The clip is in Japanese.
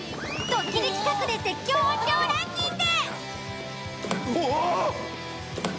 ドッキリ企画で絶叫音響ランキング。